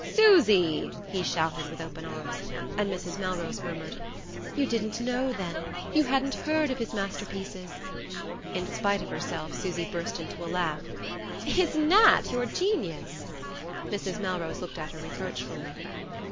"Susy!" he shouted with open arms; and Mrs. Melrose murmured: "You didn't know, then? You hadn't heard of his masterpieces?" In spite of herself, Susy burst into a laugh. "Is Nat your genius?" Mrs. Melrose looked at her reproachfully.